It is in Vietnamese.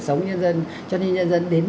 sống nhân dân cho nên nhân dân đến